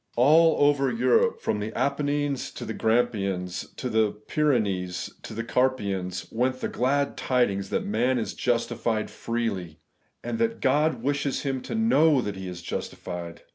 All over Europe, from the Apennines to the Grampians, from the Pyrenees to the Carpathians, went the glad tidings that man is justified freely, and that God wishes him to know that he is justified.